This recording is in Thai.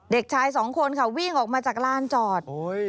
เด็กชายสองคนค่ะวิ่งออกมาจากลานจอด